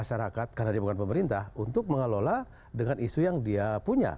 dia juga punya peralatan masyarakat karena dia bukan pemerintah untuk mengelola dengan isu yang dia punya